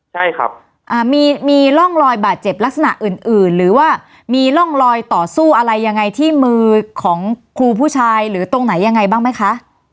ใช่ครับมีร่องรอยบาดเจ็บลักษณะอื่นหรือว่ามีร่องรอยต่อสู้อะไรยังไงที่มือของครูผู้ชายหรือตรงไหนยังไงบ้างไหมคะ